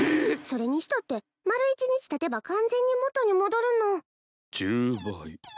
それにしたって丸一日たてば完全に元に戻るの１０倍？